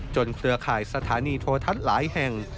จนเครือข่ายสถานีโทษธัตรหลายแห่ง